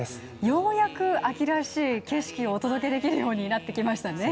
ようやく秋らしい景色をお届けできるようになってきましたね。